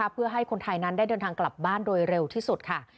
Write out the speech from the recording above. เพื่อให้คนไทยนั้นได้เดินทางกลับบ้านโดยเร็วที่สุดค่ะ